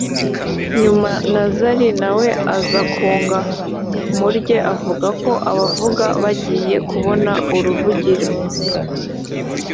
nyuma na Zari nawe aza kunga mu rye avuga ko abavuga bagiye kubona uruvugiro